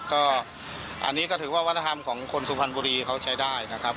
ก็อันนี้ก็ถือว่าวัฒนธรรมของคนสุพรรณบุรีเขาใช้ได้นะครับ